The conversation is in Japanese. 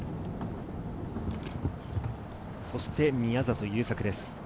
そして宮里優作です。